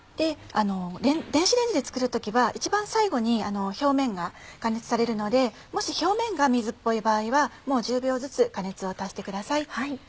電子レンジで作る時は一番最後に表面が加熱されるのでもし表面が水っぽい場合はもう１０秒ずつ加熱を足してください。